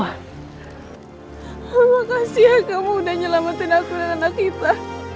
alah makasih ya kamu udah nyelamatin aku dan anak kita